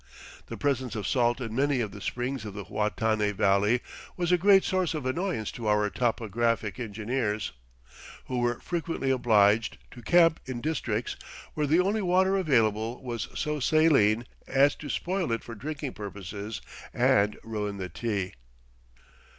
The presence of salt in many of the springs of the Huatanay Valley was a great source of annoyance to our topographic engineers, who were frequently obliged to camp in districts where the only water available was so saline as to spoil it for drinking purposes and ruin the tea.